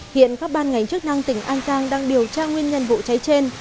hiện các ban ngành chức năng tỉnh an giang đang điều tra nguyên nhân vụ cháy trên